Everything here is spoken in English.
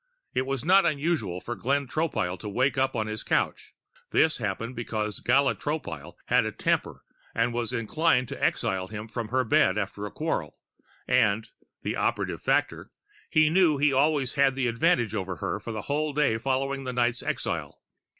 It was not unusual for Glenn Tropile to wake up on his couch. This happened because Gala Tropile had a temper, was inclined to exile him from her bed after a quarrel, and the operative factor he knew he always had the advantage over her for the whole day following the night's exile.